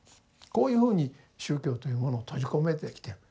こういうふうに宗教というものを閉じ込めてきてる。